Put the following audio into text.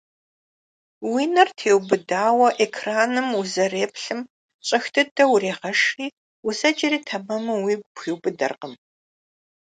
Уи нэр теубыдауэ экраным узэреплъым щӀэх дыдэу урегъэшри, узэджэри тэмэму уигу пхуиубыдэркъым.